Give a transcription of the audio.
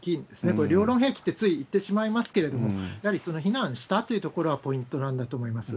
これ、両論併記ってつい言ってしまいますけれども、やはりその非難したというところがポイントなんだと思います。